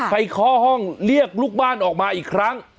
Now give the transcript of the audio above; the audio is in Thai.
เคาะห้องเรียกลูกบ้านออกมาอีกครั้ง